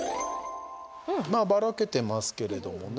まあばらけてますけれどもね。